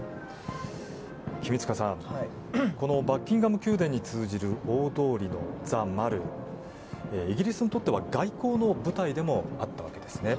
君塚さん、バッキンガム宮殿に通じる大通りのザ・マルイギリスにとって外交の舞台でもあったわけですね。